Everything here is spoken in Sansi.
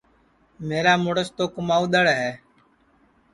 میرا مُرس تو کُماودؔڑ ہے